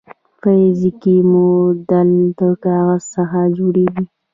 فزیکي موډل د کاغذ څخه جوړیږي.